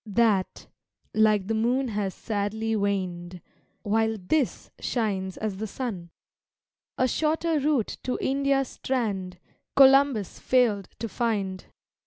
That like the moon has sadly waned, While this shines as the sun. A shorter route to India's strand Columbus failed to find.